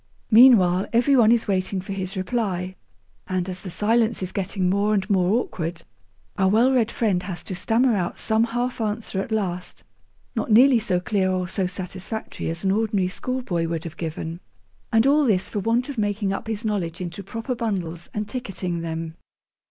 Meanwhile, every one is waiting for his reply, and, as the silence is getting more and more awkward, our well read friend has to stammer out some half answer at last, not nearly so clear or so satisfactory as an ordinary schoolboy would have given. And all this for want of making up his knowledge into proper bundles and ticketing them.